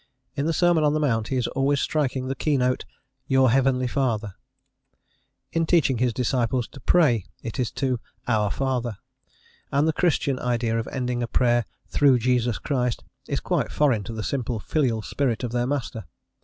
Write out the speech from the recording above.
In the sermon on the Mount he is always striking the keynote, "your heavenly Father;" in teaching his disciples to pray, it is to "Our Father," and the Christian idea of ending a prayer "through Jesus Christ" is quite foreign to the simple filial spirit of their master.